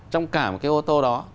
trong cả một cái ô tô đó